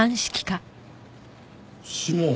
指紋？